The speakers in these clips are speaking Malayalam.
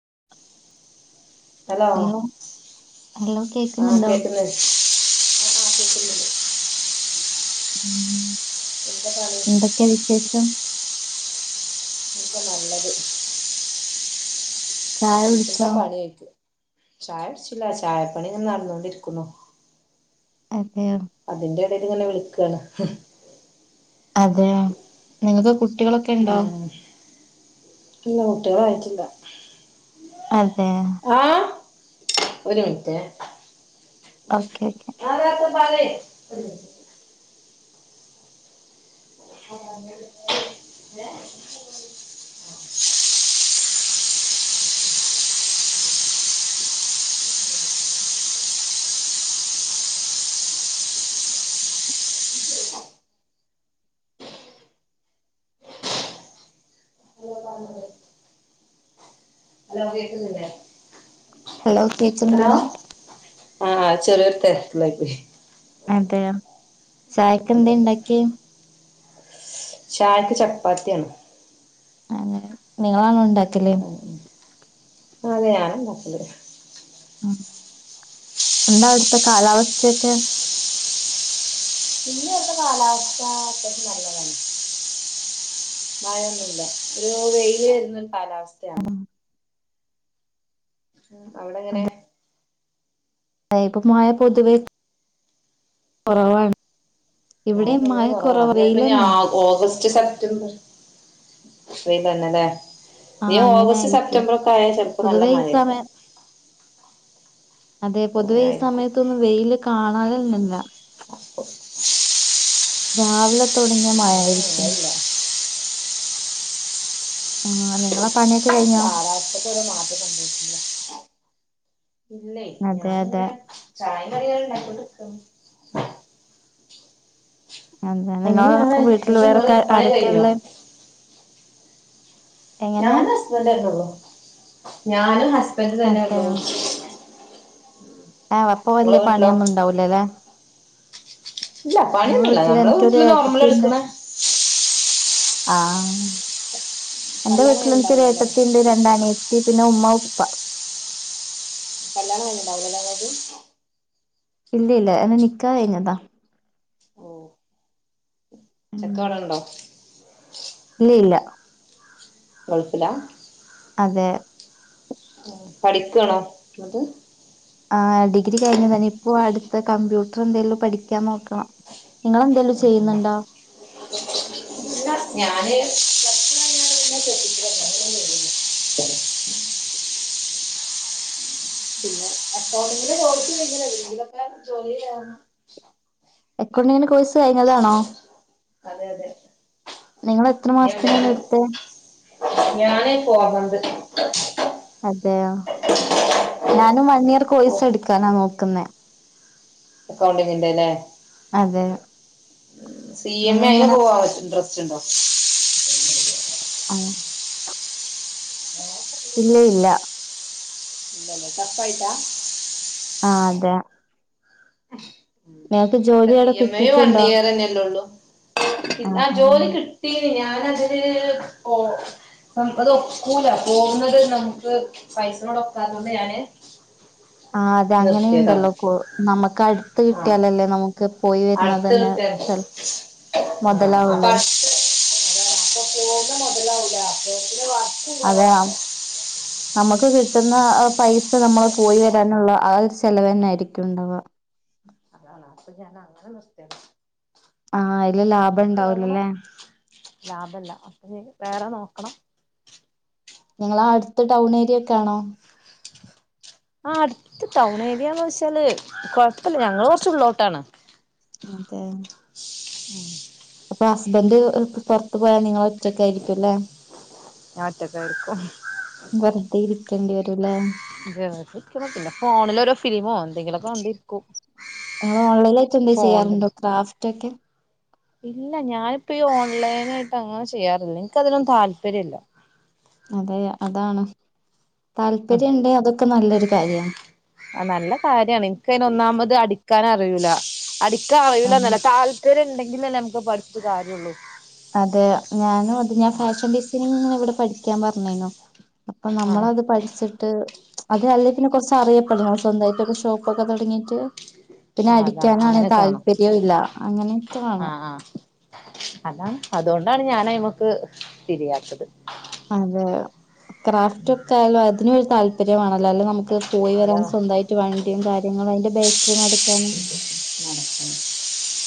[inaudible] ഹലോ ഹലോ ആ കേക്കുന്നുണ്ടോ കേക്കുന്ന് ആ ആ കേക്കുന്നില്ലേ ഉം പണി എന്തൊക്കെയാ വിശേഷം. ഇതാ നല്ലത് ചായ കുടിച്ചോ എന്താ പണി ചോയ്ക്കും ചായ കുടിച്ചില്ല, ചായപ്പണിങ്ങനെ നടന്നോണ്ടിരിക്കുന്നു അതെയോ അതിന്റെടേലിങ്ങനെ വിളിക്കണ്. ഹം അതെയോ. നിങ്ങക്ക് കുട്ടികളൊക്കെ ഇണ്ടോ ഉം ഇല്ല കുട്ടികളായിട്ടില്ല. അതെ ഒര് മിനിറ്റെ ഓക്കെ ക്കെ പറയ് [unintelligible] [inaudible] അലോ കേക്കുന്നില്ലേ ഹലോ ഹലോ കേക്കുന്നുണ്ട് ആഹ് ചെറിയൊരു തെരക്കിലായിപ്പോയി. അതെയോ. ചായക്ക് അതെ എന്ത്‌ ഇണ്ടാക്കിയേ. ചായ്ക്ക് ചപ്പാത്തിയാണ്. ആന്നോ നിങ്ങളാന്നോ ഉണ്ടാക്കല് ഉം അതെ ഞാനെന്നെ ഉണ്ടാക്കല്. ഉ എന്താ അവിടുത്തെ കാലാവസ്ഥയൊക്കെ പിന്നെ ഇവിടെത്ത കാലാവസ്ഥാ നല്ലതന്നെ മഴയൊന്നുല്ല ഒരു വെയില് വരുന്നൊരു കാലാവസ്ഥയാണ്. ഉം, അവിടെങ്ങനെ അതെ ഇപ്പൊ മയ പൊതുവെ കുറവാണ്. മഴ ഇവിടെ പൊതുവെ കുറവ കുറവാണ്. അതിപ്പിന്നെ വെയിലന്നെ ഓഗസ്റ്റ് സെപ്റ്റംബർ. [unintelligible] തന്നെല്ലേ ആഹ് ഇനി അങ്ങനെ ഓഗസ്റ്റ് ആയിരിക്കും സെപ്റ്റംബർ ഒക്കെ ആയാ ചിലപ്പോ നല്ല പൊതുവേ ഈ മഴയൊക്കെ സമയം അതെ പൊതുവെ അങ്ങനെ ഈ ആയിരിക്കും സമയത്തൊന്നും വെയില് കാണാറില്ലല്ലാ. രാവിലെ തുടങ്ങിയ അങ്ങനെ മഴായിരിക്കും. മഴയില്ല ആ നിങ്ങളെ പണിയൊക്കെ കഴിഞ്ഞോ? കാലാവസ്ഥക്ക് ഓരോ മാറ്റം സംഭവിക്കില്ല ഇല്ലേ അതെ അതെ ഞാനിങ്ങനെ ചായ കറികൾ ഉണ്ടാക്കിക്കൊണ്ടിരിക്കുന്നു അതെ നിങ്ങ അങ്ങനെയാണ് വീട്ടിൽ എന്താ നിങ്ങള് വേറൊക്കെ പണി ആരൊക്കെയ കഴിഞ്ഞോ ഉള്ളേ ഞാനും ഹസ്ബൻഡ് തന്നെ ള്ളൂ. ഞാനും ഹസ്ബൻഡ് തന്നെ ള്ളൂ ആഹ് അപ്പൊ വല്യ പണിയൊന്നും ഇണ്ടാവൂലല്ലെ ഇല്ല പണിയൊന്നല്ല നമ്മളെ എനിക്കൊരു വീട്ടില് നോർമൽ ഏട്ടത്തിണ്ട് എടുക്കണ ആ എന്റെ കല്യാണം വീട്ടിൽ എനിക്കൊരു കഴിഞ്ഞിണ്ടാവില്ലല്ലേ ഏട്ടത്തിണ്ട് രണ്ടാനിയത്തി ട്ടീ പിന്നെ ഉ്മ്മ ഉപ്പ കല്യാണം കയ്ഞ്ഞ് ണ്ടാവൂലലലെ ങ്ങൾത ഇല്ല ഇല്ല എന്റെ നിക്കാഹ് കയിഞ്ഞതാ ഓ ഉം ചെക്കനിവിടെണ്ടോ ഇല്ല ഗൾഫില അതെ പഠിക്കണോ ആ ഡിഗ്രി കഴിഞ്ഞ തന്നെ ഇപ്പോ അടുത്ത കമ്പ്യൂട്ടർ എന്തെിലും പഠിക്കാൻ നോക്കണം നിങ്ങെലെന്തേലും ചെയ്യുന്നുണ്ടോ ഉ ഞാൻ പിന്നെ അക്കൗണ്ടിങ് കോഴ്‌സി നോക്കെ ജോലി അക്കൗണ്ട് ങ് ന്റെ കോഴസ് കഴിഞ്ഞതാണോ അതെ അതെ നിങ്ങ ൾ എത്ര മാസത്തിനാണ് എടുത്ത ഞാനേ പോവാന്നണ്ട് അതെയോ ഞാനും വൺ ഇയർ ഓ കോഴ്സ് എടുക്കാനാ നോക്കുന്നേ അക്കൗണ്ടിങ്ങിന്റെ അല്ലേ അതെ സി എം നിങ്ങ എയിെ ഇങ്ങനെ പോവാ ഇൻട്രസ്റ്റ് ഉണ്ടോ ആ ഇല്ല ഇല്ല ഇല്ല ലെ ചടപ്പ് ആയിട്ടാ ആഅതെ ഇല്ല സി അവിടെ എം യും വൺ കിട്ടിയിട്ടുണ്ടോ ഇയർന്നെയല്ലള്ളൂ ആ ജോലി കിട്ടീന് ഞാനതില് പോ അത്ൊക്കൂല പോകുന്നത് നമുക്ക് പൈസയോട്ൊക്കാറണ്ട് ഞാന് ആ അതെ നിർത്തിയതാണ് അങ്ങനെയുണ്ടല്ലോ നമുക്ക് അടുത്ത് ആ കിട്ടിയാലല്ലേ നമുക്ക് പോയി വരുന്നത് അടുത്ത് തന്നെ കിട്ടാണ് സ് ആ അപ്പൊ മുതലാാവുള്ളൂ അടുത്ത് വ അതെയ നമുക്ക് കിട്ടുന്ന പൈസ നമ്മൾ പോയി വരാൻ അവ ചെലവന്നെ ആായിരിക്കുംണ്ടാവുക അതണ അപ്പൊ ഞാൻ അങ്ങനെ നിർത്തയ ആഅതില് ലാഭം ഇണ്ടാവലോല്ലേ ലാഭല്ല അപ്പൊ വേറെ നോക്കണം ങ്ങളാ അടുത്ത ടൗൺ ഏരിയക്കൊണോ ആ അടുത്ത ടൗൺ ഏരിയന്ന് വെച്ചാല് കൊഴപ്പില്ല ഞങ്ങള് കുറച്ചള്ളോട്ടാണ് അതെ ഉം അപ്പൊ ഹസ്ബന്ഡ് പുറത്ത് പോയാൽ നിങ്ങള ഒറ്റക്ക് ആയിരിക്കും അല്ലേ ഞാനൊറ്റക്ക് വെറുതെ ഇരിക്കേണ്ടി വരൂല്ലേ പിന്നെ ഫോണിലഓരോ ഫിലിമോ എന്തെങ്കിലുമൊ ക്കെ കണ്ടിരിക്കും ഓൺൈല ആട്ട്ന്താ ഫോണില് ചെയ്യാറുോ ക്രാഫ്റ്റ് ഇല്ല ഞാനിപ്പോ ഈ ഓൺലൈൻ ആയിട്ട് അങ്ങനെ ചെയ്യാറില്ല എനിക്ക അതിനലന്ന താല്പര്യംല്ല അതെ അതാണ് ഉ താല്പര്യണ്ട് അതൊക്കെ നല്ലൊരു കാര്യാണ് ആ നല്ല കാര്യമാണ് എനക്ക്തിനന് ഒന്നാമത് അടി പിക്കാൻ അറിയൂല അടിക്കാൻ ഉം അറിയൂലന്നല്ല താല്പര്യം ഉണ്ടെങ്കി അല്ലെ നമുക്ക് പഠിച്ച കാര്യള്ളൂ അതെ ഞാനും അത് ഞാൻ ഫാഷൻ ഡിസൈനിങ് ഇങ്ങനെ ഇവിടെ പഠിക്കാൻ പറഞ്ഞനോ അപ്പൊ ആഹ് നമ്മളത് പഠിച്ചിട്ട് അതെ അല്ലേ പിന്നെ കുറച്ച അറിയപ്പെടണം സ്വന്തമായിട്ടൊക്കെ ഷോപ്പ് ഒക്കെ തുടങ്ങിയിട്ട് പിന്നെ ആഹ് അതാണ് അടിക്കാനാണെ അങ്ങനെയൊക്കെ വേണം താല്പര്യവും ഇല്ല അങ്ങനെയൊക്ക വാണ് അല്ലാ അതുകൊണ്ടാണ് ഞാനയി്മക്ക് തിരിയാത്തത് അതെ ക്രാഫ്റ്റ് ഒക്കെ ആയാലും അതിനും ഒരു താല്പര്യമാണല്ലോ അല്ല നമുക്ക് പോയി വരാൻ അതാ സ്വന്തമായിട്ട് വണ്ടിയും കാര്യങ്ങളും അതിന്റെ ബേക്കിൽ നടക്കാൻ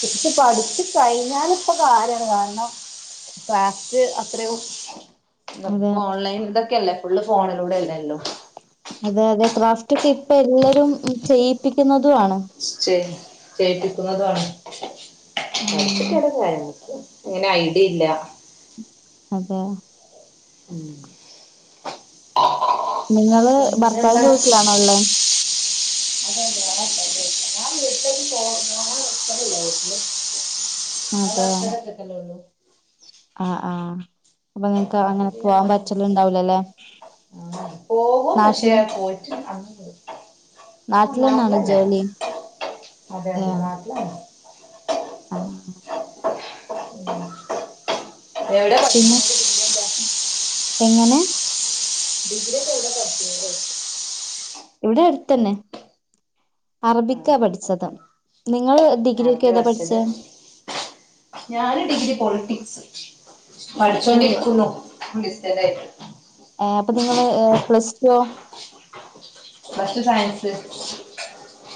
ഇ പഠിച്ച ട്രൈനൻ ഇപ്പൊ കാര്മാണ് കാരണം ഫ്രാസ്റ്റ് അത്രയും അതെ ഇപ്പോ ഓൺലൈൻ ഇതൊക്കെയല്ലേ ഫുള് ഫോണിലൂടെ അല്ലേള്ളൂ അതെ അതെ ക്രാഫ്റ്റ് ഒക്കെ ഇപ്പൊ എല്ലരും ചെയ്യിപ്പിക്കുന്നതും ആണ് ചെയ്യിപ്പിക്കുന്നതാണ് ഉം അരച്ചട്ടല ചായക്ക് അങ്ങനെ ഐഡിയയില്ല അതെ ഉം നിങ്ങള് ഭർത്താവിന്റെ വീട്ടിലാണ ഉള്ളേ അതെ അതെ ആട്ട അതെ ഞാൻ വീട്ടും പോ ഞ ഇത്തല്ല നത് അ്ട കക്കലോള്ളൂ ആഹ ആഹ അപ്പൊ നിങ്ങക്ക് അങ്ങനെ അതിന് ഞാൻ പോവാാൻ പറഞ്ഞു പറ്റല് ഉണ്ടാവലല്ലെ ആ പോകും പക്ഷെ പോറ്റും അന്ന് പോ ആ നാട്ടില് തന്നെയാണോ നാട്ടലന്നെ ജോലി അതെ അതെ നാട്ടലന്നെ ആഹ എവിടെ പഠ പിന്നെ എങ്ങനെ ഡിഗ്രി ഒക്കെ എവിടെ പത്തി കൊ ഇവിടെ അടുത്ത തന്നെ ആ, അറബിക്കാ പഠിച്ചത് അത്രന്നെ. നിങ്ങൾ ഡിഗ്രിക്കെ ആരുടെ പഠിച്ചത് ഞൻ ഡിഗ്രി പളിറ്റിക്സ് അപ്പൊ പഠിച്ചോൊണ്ടിരിക്കുന്നു ഡിസ്ന്റയിട്ട് ഏഹ് അപ്പൊ നിങ്ങള് ഏഹ് പ്ലസ് ഓ ബസ്റ്റ് സയൻസ്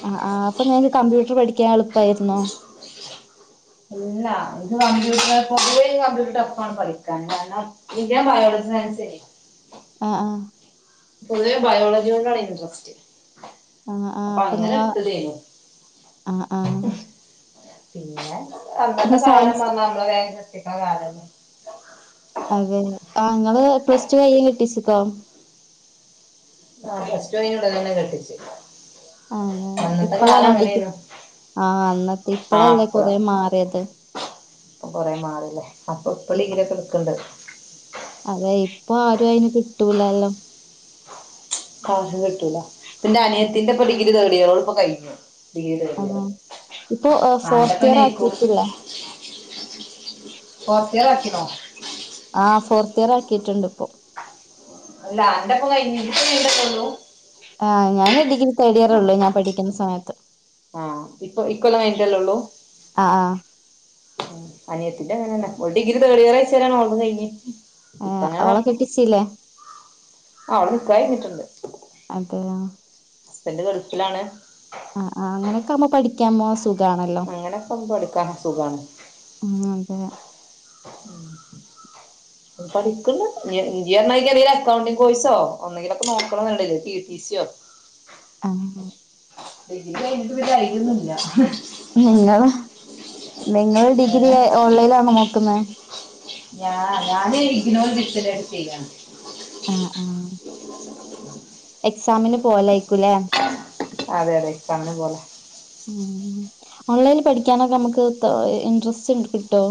ആ ആ അപ്പൊ നിഞക്ക് കമ്പ്യൂട്ടർ പഠിക്കാൻ എളുപ്പായിുന്നോ ഇല്ല ഇത് കമ്പ്യൂട്ടർ പൊതുവ കമ്പ്യൂട്ടർ ടഫ് ആാണ് പഠിക്കാൻ കാരണം ഇ ഞാൻ ബയോളജി ആ ശരി ആഹ ആഹ പൊതുവെ ബയോളജി കൊണ്ടാണ് ഇൻട്രസ്റ്റ് ആഹ ആഹ് അപ്പൊ അങ്ങനെ നിങ്ങ എടുത്തതേനു ആഹ ആഹ പിന്നെ അന്നത്തെ കാലം സയൻസ് വന്ന നമ്മള വേഗ കെട്ടിക്കണ കാല അതെ ആ നിങ്ങള് പ്ലസ് ടു കയ കെട്ടിച്ചിക്കോ ആ പ്ലസ് ടുനൂട തന്നെ കെട്ടിച്ചു അഹ ഇപ്പളാണോണ്ടക്ക് അങ്ങനെയായിരുന്നു ആഹ് അന്നത്തെ ഇപ്പഴല്ലേ കൊറ മാറിയത് കൊറെ മാടല്ലേ അപ്പൊ ഇ ഇപ്പടി ഇങ്ങല കടുക്കണ്ടത് അതെ ഇപ്പൊ ആരും അയിന് കിട്ടൂലല്ലോ കാശും കിട്ടൂല പിന്നെ അനിയത്തിന്റെപ്പൊ ഡിഗ്രി തേർഡിയറാ ഇപ്പ കഴഞ്ഞു വീട് അതെ ഇപ്പൊ ഫോർത്ത് ആണ്ടപ്പന്നെ ഇയർ ഇയിക്കൂ ആക്കിയിട്ടില്ലേ? ഫോർത്തിയർ ആക്കിനോ ആ ഫോർത്ത് ഇയർ ആക്കിട്ടുണ്ട് ഇപ്പൊ അല്ല എന്റെപ്പൊ കൈഞ്ഞ് ഇപ്പ നീണ്ടപ്പള്ളു ആ ഞാൻ ഡിഗ്രി തേർഡ് ഇയർള്ളൂ ഞാൻ പഠിക്കുന്ന സമയത്ത് ആഹ് ഇപ്പൊ ഇക്കല്ല വന്തല്ലേള്ളൂ ആഹ് ആഹ് ഉം അനിയത്തിന്റെ അങ്ങനെന്നെ ഡിഗ്രി തേളിയറാഴ്ച്ച വര ഓലതും കഴിഞ്ഞ് ആ അവളെ കെട്ടിച്ചല്ലേ ആ അവടെ നിക്കാഹ് കഴിഞ്ഞിട്ടുണ്ട് അതെയോ ഹസ്ബന്റ് ഗൾഫിലാണ് ആ ആ അങ്ങനെക്കെ ആമ്പോ പഠിക്കാമോ സുഖാണല്ലോ അങ്ങനെക്ക എടുക്കാൻ അസുഖാണ് ഉം അതെ ഉം പഠിക്കുന്നു ഇ ഇതേ മാതിരി എന്തെങ്കിലും അക്കൗണ്ടി കോഴസോ ഒന്നെലൊക്കെ നോക്കണ പി ടി വിശ്യ അങ്ങ് ഡിഗ്രി കഴിഞ്ഞിട്ട് വല്യ ഐഡിയ ഒന്നില്ല നിങ്ങൾ ഡിഗ്രി ഏഹ് ഓൺലൈൻ ലാണ് നോക്കുന്നെ ഞ ഞാന് ഇഗ്നോർ ദിസ എടു ചെയ്യാണ് ആ ആ എക്സാമിന് പോലായിക്കൂലെ അതെ അതെ കണ്ണ് പോലെ ഉം ഓൺലൈനിൽ പഠിക്കാനൊക്കെ നമുക്ക് ഇൻട്രസ്റ്റ് കിട്ടോ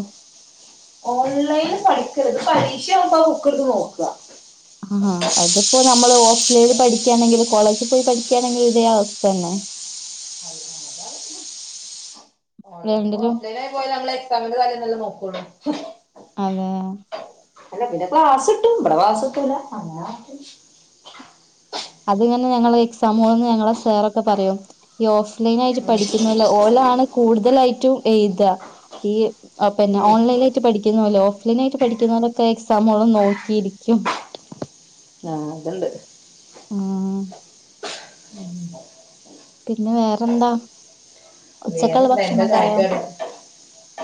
ഓൺലൈന് പഠിക്കരുത് പരീക്ഷ ആവുമ്പോ ബുക്ക് എടുത്ത് നോക്കുക ആ അതിപ്പോ നമ്മള് ൽ പഠിക്കയാണെങ്കിൽ കോളേജിൽ പോയി പഠിക്കാണെങ്കിലും ഇതേ അവസ്ഥ തന്നെ രണ്ടിലും ഓഫ്ലൈനായി പോയ ഞമ്മെ എക്സാമിന്റെ തലേന്നെ നോക്കുള്ളൂ അതെ അല്ല പിന്നെ ക്ലാസ് ഇട്ടും ഇവിടെ ക്ലാസ്സല്ല അങ്ങനെ അതിങ്ങനെ ഞങ്ങള് എക്സാ മോൾന്ന് ഞങ്ങളെ സാറൊക്കെ പറയും ഈ ഓഫ് ലൈനായിട്ട് പഠിക്കുന്നല്ല ഓലാണ് കൂടുതലായിട്ടും ഇത ഈ ആ പിന്നെ ഉം ഓൺലൈൻ ആയിട്ട് പഠിക്കുന്നെ ഓഫ് ലൈൻ ആയിട്ട് പഠിക്കുന്നവരൊക്കെ എക്സാമോളം നോക്കിയിരിക്കും ആ അത്ണ്ട് ആ പിന്നെ വേറെന്താ ഉച്ചക്ക് വേറെന്താ എന്താ ഭക്ഷണം ക്ക് ആയോ ചായക്ക് കടി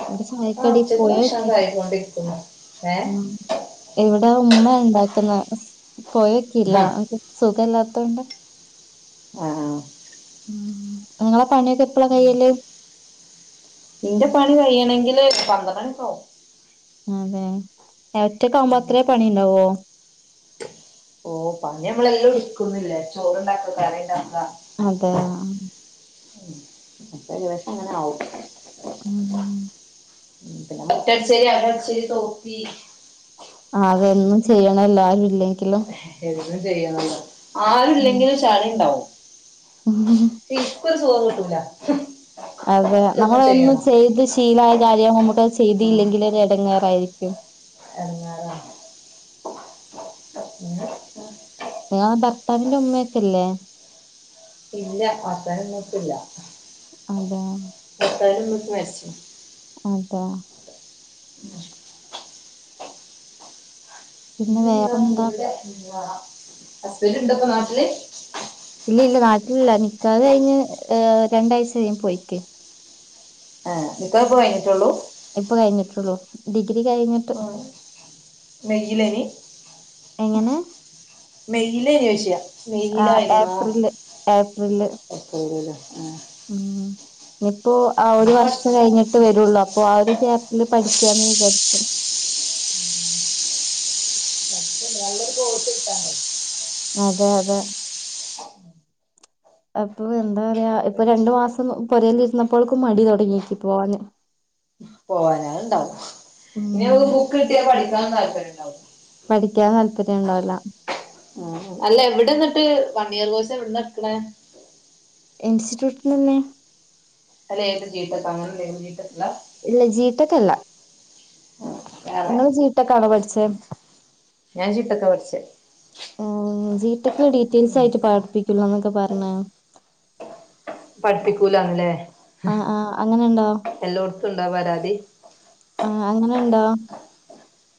ഇവിടെ ആഹ് സഹായിക്കടി ഉച്ചക്ക് പോയൂക്കി ഭക്ഷണൊക്കെ ആയിക്കൊണ്ടിരിക്കുന്നു ഏഹ് ഉം എവിടൊ ഉമ്മ ഉണ്ടാക്കുന്ന പോയൊക്കെല്ല ആഹ് സുഖല്ലാത്ത കൊണ്ട് ആ ആ ഉം നിങ്ങളെ പണിയൊക്കെ എപ്പഴാ കയല് നിന്റെ പണി കയ്യണെങ്കില് പന്ത്രണ്ടണിക്കവും അതെ ഒറ്റക്ക് ആവുമ്പോ അത്രേ പണി ഉണ്ടാവോ ഓ പഞ്ഞി നമ്മളെല്ലാം വിടുക്കുന്നില്ല ചോറ് ഉണ്ടാക്ക കറി ഉണ്ടാ അതെ ഉം ചില ദിവസം അങ്ങനെ ആവും ഉം ഉം ഉം പിന്നെ മറ്റടച്ചരി അകടച്ചരി തോത്തി അതന്നും ചെയ്യണം എല്ലാരും ഇല്ല എന്നും ചെയ്യണല്ലോ ആരുല്ലെങ്കിലും ചളി ഉണ്ടാവും ഉ ഇന്ക് സുഖം കിട്ടൂല അതെ എനിക്കൊന്നും നമ്മള് എന്നും ചെയ്യണം ചെയ്ത് ശീലായ കാര്യം നമുക്ക് ചെയ്തിയില്ലെങ്കിൽ ഇടങ്ങാറായിരിക്കും എന്നാല നിങ്ങളെ ഭർത്താവിറെ ഉമ്മയൊകൊയില്ലേ ഇല്ല അസനംന്നോട്ടില്ല അതെ അര നക്ക മരിച്ച [unintelligible] അതെ [inaudible] പിന്നെ വേറെന്താ വിടെ അസ്ബന്റ് ഇണ്ടപ്പൊ നാട്ടില് ഇല്ല ഇല്ല നാട്ടിലില്ല നിക്കാഹ് കഴിഞ്ഞ് രണ്ടാഴ്ച കഴിഞ് പോയിക്ക്ണ് ആഹ ഇപ്പ പോയിട്ടുള്ളൂ ഇപ്പൊ കഴിഞ്ഞിട്ടുള്ളു ഡിഗ്രി കഴിഞ്ഞിട്ട് വഗിലേനി എങ്ങനെ മെയില ചോയ്ച്ച മെയില് ആഹ് ആയിുന്നോ ഏപ്രില് ഏപ്രില് ആ ഇനിപ്പോൊ ആ ഒരു വർഷം കഴിഞ്ഞിട്ട് വരുള്ളു അപ്പൊ ആ ഒരു ക്യാപ്പില് പഠിക്കാന്ന് വിചാരിച്ചു [unintelligible] അതെ അതെ അപ്പൊ എന്താ പറയാ ഇപ്പൊ രണ്ടു പഠിച്ചിട്ട് മാസം പോരേൽരുന്നപ്പോൾ മടി തുടങ്ങിയക്ക് പോവാാന് [inaudible] പോവാനണ്ടാവും ഇനി ഉം ബുക്ക് കിട്ടിയാ പഠിക്കൻ താല്പര്യം ഇണ്ടാവുല്ല ഉണ്ടോല്ല ഉ അല്ല എവിടെന്നിട്ട് വൺ ഇയർ കോഴ്സ് എവിടെന്ന്ട്ക്കണ ഇൻസ്റ്റിറ്റ്യൂട്ടിൽ തന്നെ അല്ല ഏത് ജീടെക് അങ്ങനെല്ല ജീടെക് ഇല്ല ജീടെക് അല്ല വേറെ ഇങ്ങള് ജീട്ടൊക്കണോ പഠിച്ചേ ഞാൻ ചിട്ടക്ക പഠിച്ചേ ജിടെക്കില ഡീറ്റെയിൽസ് ആയിട്ട് പഠപ്പിക്കുള്ളൂ എന്നൊക്കെ പറ പിന്നെ പഠിപ്പിക്കൂലന്നല്ലേ ആ ആഹ അങ്ങനെണ്ടോ എല്ലോടത്തും ഉണ്ടാ പരാതി ആ അങ്ങന ഉണ്ടാ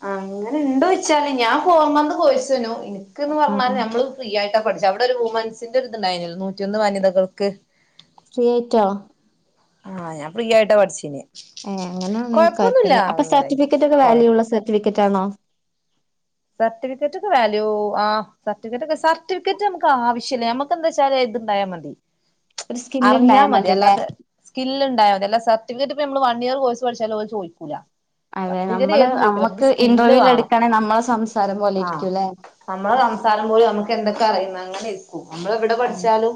ആ അങ്ങനെ ഉണ്ട് വെച്ചാല് ഞാൻ പോർമന്ന് കോഴ്സനു എനക്ക്ന്ന് ആഹ് പറഞ്ഞാല് ആഹ് നമ്മള് ഫ്രീ ആയി പഠിച്ചു അവിടെ ഒരു വുമൺസിന്റെ ഒരി തുണ്ടായിനല്ലെ നൂറ്റൊന്ന് വനിതകൾക്ക് ഫ്രിയേറ്റോ ആഹ് ഞാൻ ഫ്രീ ആയിട്ടാ പഠിച്ചീക്ന് ഏ അങ്ങനെയാണ് കുഴപ്പില്ല അപ്പൊ സർട്ടിഫിക്കറ്റ് ഒക്കെ വാല്യൂള്ള സർട്ടിഫിക്കറ്റ് ആണോ സർട്ടിഫിക്കറ്റ് ഒക്കെ വാല്യൂ ആ സർട്ടിഫിക്കറ്റ് ഒക്കെ സർട്ടിഫിക്കറ്റ് നമുക്ക് ആവശ്യല്ല നമ്മുക്ക് എന്താ വച്ചാ ണ്ട മതി ഒരു സ്കില്ല് അറിഞ്ഞാൽ ഉണ്ടായാൽ മതി മതില്ലേ അല്ലാതെ സ്ക്കിൽ ഉണ്ടായൽ ല്ല സർട്ടിഫിക്കറ്റ് ഇ നമ്മ വൺ ഇയർ കോഴ്സ് പഠിച്ചാലും അവ ചോയ്ക്കും അതെ സർട്ടിഫിക്കേറ്റ് നമ്മള് ഏതും ചോദിക്കില്ല നമുക്ക് നമ്മുക്ക് സ്കില്ല് ഇന്റർവ്യൂല് വേണം എടുക്കാണെ നമ്മളെ സംസാരം പോലെ ആഹ ഇരിക്കൂല്ലേ നമ്മള സംസാരം പോലും നമുക്ക് എന്തൊക്കെ അറിയുന്ന അങ്ങനെ നമ്മള് എവിടെ ഉം പഠിച്ചാലും